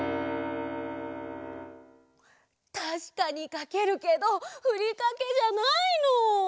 たしかにかけるけどふりかけじゃないの！